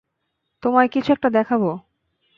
তোমায় কিছু একটা দেখাবো!